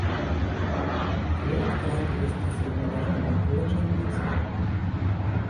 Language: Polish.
Projekt Rady jest zrównoważony, lecz ambitny